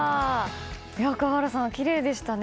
川原さん、きれいでしたね。